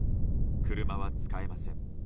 車は使えません。